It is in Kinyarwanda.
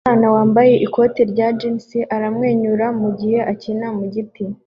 Umwana wambaye ikoti rya jean aramwenyura mugihe akina mugiti